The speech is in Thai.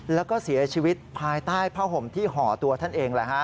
แล้วก็เสียชีวิตภายใต้ผ้าห่มที่ห่อตัวท่านเองแหละฮะ